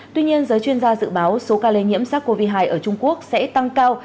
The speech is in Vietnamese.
tuy nhiên giới chuyên gia dự báo số ca lây nhiễm sars cov hai ở trung quốc sẽ tăng cao